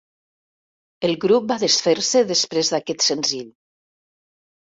El grup va desfer-se després d'aquest senzill.